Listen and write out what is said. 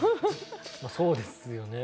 まあそうですよね。